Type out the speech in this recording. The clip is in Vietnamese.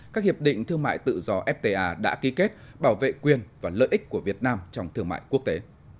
các hiệp định thương mại tự do fta đã ký kết bảo vệ quyền và lợi ích của việt nam trong thương mại quốc tế